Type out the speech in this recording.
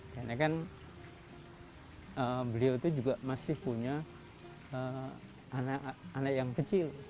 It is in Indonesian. karena kan beliau itu juga masih punya anak anak yang kecil